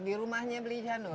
di rumahnya beli janur